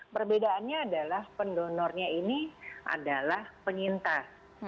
perbedaannya adalah pendonornya ini adalah penyintas